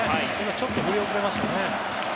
ちょっと振り遅れましたね。